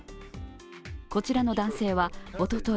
こちらの男性は、おととい